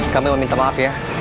kami meminta maaf ya